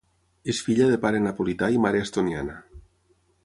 És filla de pare napolità i mare estoniana.